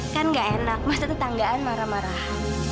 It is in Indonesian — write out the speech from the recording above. kan nggak enak mata tetanggaan marah marah